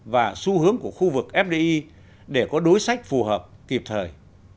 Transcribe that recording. và xu hướng của khu vực fdi để có đối sách phù hợp kịp thời